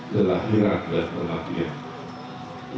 kelahiran dan kematian